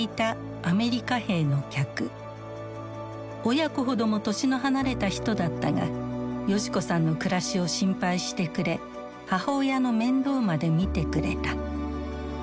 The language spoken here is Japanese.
親子ほども年の離れた人だったが世志子さんの暮らしを心配してくれ母親の面倒まで見てくれた。